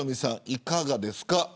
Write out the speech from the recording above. いかがですか。